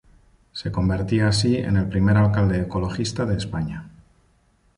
Se convertía así en el primer alcalde ecologista de España.